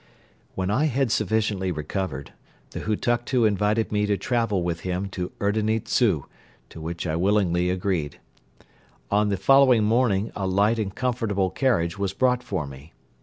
When I had sufficiently recovered, the Hutuktu invited me to travel with him to Erdeni Dzu, to which I willingly agreed. On the following morning a light and comfortable carriage was brought for me.